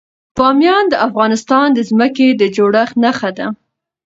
بامیان د افغانستان د ځمکې د جوړښت نښه ده.